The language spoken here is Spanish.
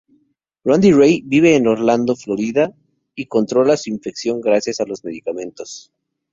Randy Ray, vive en Orlando, Florida y controla su infección gracias a los medicamentos.